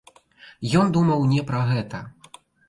Ён думаў не пра гэта.